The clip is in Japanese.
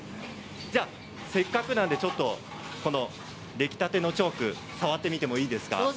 せっかくなので出来たてのチョーク触ってみてもいいですか。